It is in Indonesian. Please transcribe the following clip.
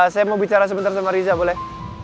saya mau bicara sebentar sama riza boleh